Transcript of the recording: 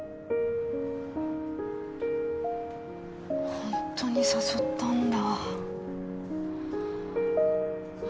本当に誘ったんだ。